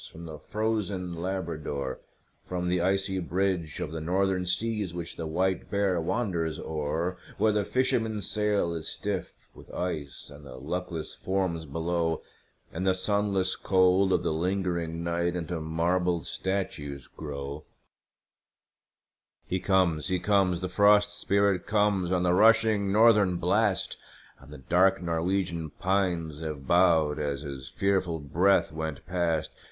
from the frozen Labrador, From the icy bridge of the Northern seas, which the white bear wanders o'er, Where the fisherman's sail is stiff with ice, and the luckless forms below In the sunless cold of the lingering night into marble statues grow He comes, he comes, the Frost Spirit comes on the rushing Northern blast, And the dark Norwegian pines have bowed as his fearful breath went past.